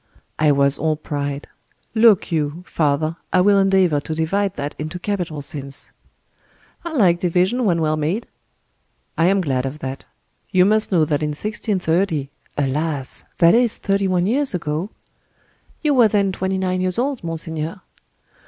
"I was all pride. Look you, father, I will endeavor to divide that into capital sins." "I like divisions, when well made." "I am glad of that. You must know that in 1630—alas! that is thirty one years ago—" "You were then twenty nine years old, monseigneur."